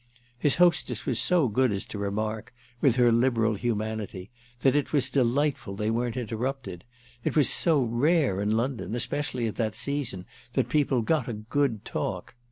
His hostess was so good as to remark, with her liberal humanity, that it was delightful they weren't interrupted; it was so rare in London, especially at that season, that people got a good talk.